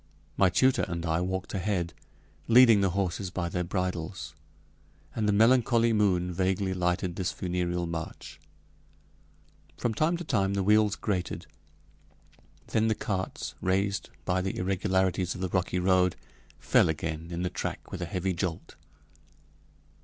My tutor and I walked ahead, leading the horses by their bridles, and the melancholy moon vaguely lighted this funereal march. From time to time the wheels grated. Then the carts, raised by the irregularities of the rocky road, fell again in the track with a heavy jolt.